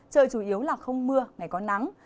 trời chủ yếu là không mưa ngày có nắng